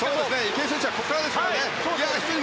池江はここからですからね。